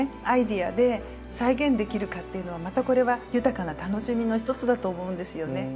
アイデアで再現できるかっていうのはまたこれは豊かな楽しみのひとつだと思うんですよね。